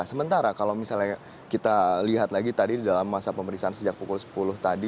sementara kalau misalnya kita lihat lagi tadi dalam masa pemeriksaan sejak pukul sepuluh tadi